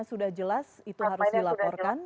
sudah jelas itu harus dilaporkan